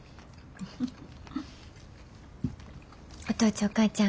お父ちゃんお母ちゃん。